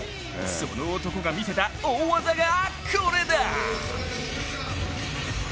その男が見せた大技が、これだ！